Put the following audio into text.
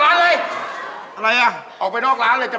พอได้เรียงเบอร์มาแล้ว